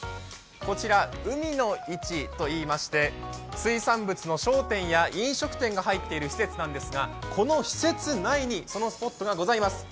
こちら海の市といいまして水産物の商店や飲食店が入っている施設なんですが、この施設内にそのスポットがございます。